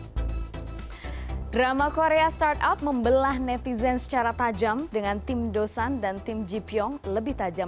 hai drama korea start up membelah netizen secara tajam dengan tim dosan dan tim jipyong lebih tajam